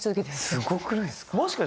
すごくないですか。